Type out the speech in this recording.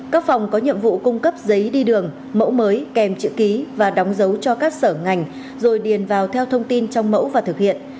các phòng có nhiệm vụ cung cấp giấy đi đường mẫu mới kèm chữ ký và đóng dấu cho các sở ngành rồi điền vào theo thông tin trong mẫu và thực hiện